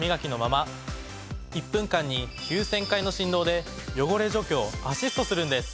１分間に９，０００回の振動で汚れ除去をアシストするんです。